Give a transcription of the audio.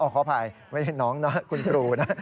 ขออภัยไม่ใช่น้องนะคุณครูนะ